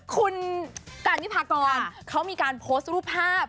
คุณการวิพากรเขามีการโพสต์รูปภาพ